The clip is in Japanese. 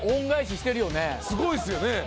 すごいっすよね。